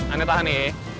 anak tahan ya